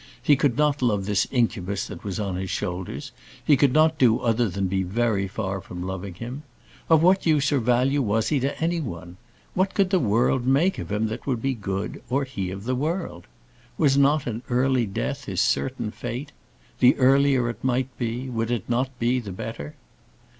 He could not love this incubus that was on his shoulders; he could not do other than be very far from loving him. Of what use or value was he to any one? What could the world make of him that would be good, or he of the world? Was not an early death his certain fate? The earlier it might be, would it not be the better?